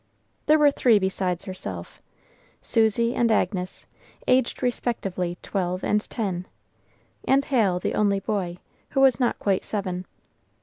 There were three besides herself, Susy and Agnes, aged respectively twelve and ten; and Hal, the only boy, who was not quite seven.